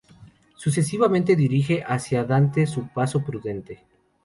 Sucesivamente dirige hacia Dante su paso "prudente".